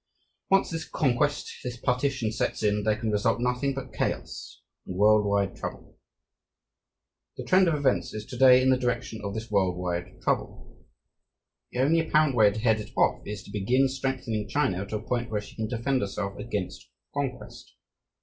Once this conquest, this "partition," sets in, there can result nothing but chaos and world wide trouble. The trend of events is to day in the direction of this world wide trouble. The only apparent way to head it off is to begin strengthening China to a point where she can defend herself against conquest.